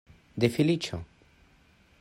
De feliĉo!